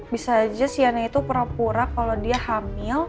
bisa aja cyani itu pura pura kalau dia hamil